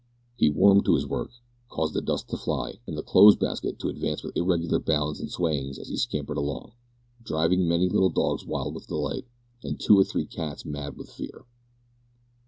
He warmed to his work, caused the dust to fly, and the clothes basket to advance with irregular bounds and swayings as he scampered along, driving many little dogs wild with delight, and two or three cats mad with fear.